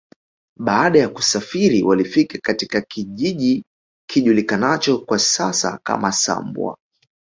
Baada ya kusafiri walifika katika kijiji kijulikanacho kwa sasa kama Sambwa